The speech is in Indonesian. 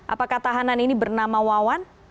apakah tahanan ini bernama wawan